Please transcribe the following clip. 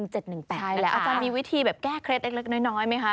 อาจารย์มีวิธีแบบแก้เคล็ดเล็กน้อยไหมคะ